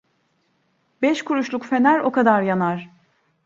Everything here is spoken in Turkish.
Beş kuruşluk fener o kadar yanar.